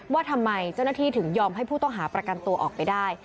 ว่าทำไมเจ้าหน้าที่ถึงยอมให้ผู้ต้องหาประกันตัวออกไปได้